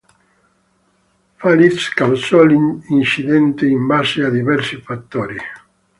Falitz causò l'incidente in base a diversi fattori.